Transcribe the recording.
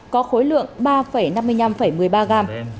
có khối lượng ba năm mươi năm một mươi ba gram